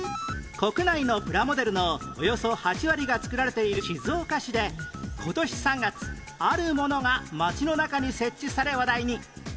国内のプラモデルのおよそ８割が作られている静岡市で今年３月あるものが街の中に設置され話題に